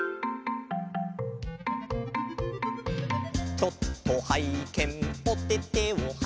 「ちょっとはいけんおててをはいけん」